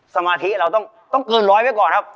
สมาธิเราต้องเกินร้อยไว้ก่อนครับ